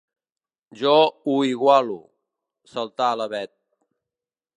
Jo ho igualo —saltà la Bet—.